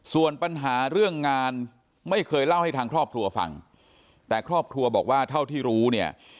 ส่วนปัญหาเรื่องงานไม่เคยเล่าให้ทางครอบครัวฟังแต่ครอบครัวบอกว่าเท่าที่รู้เนี่ย